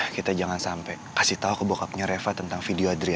kita jangan sampai kasih tahu ke bockupnya reva tentang video adri